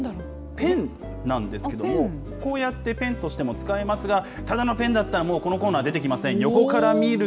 ペンなんですけども、こうやってペンとしても使えますが、ただのペンだったら、もう、このコーナー出てきません。